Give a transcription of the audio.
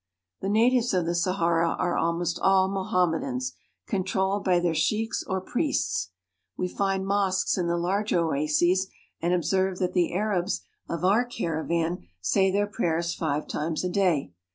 The natives of the Sahara are almost all Mohammedans, controlled by their sheiks or priests. We find mosques in the larger oases, and observe that the Arabs of our cara " They Jvan say their prayers five times a day.